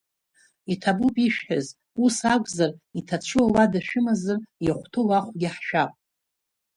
Иҭабуп ишәҳәаз, ус акәзар иҭацәу ауада шәымазар иахәҭоу ахәгьы ҳшәап.